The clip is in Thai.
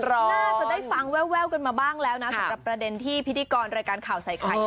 น่าจะได้ฟังแววกันมาบ้างแล้วนะสำหรับประเด็นที่พิธีกรรายการข่าวใส่ไข่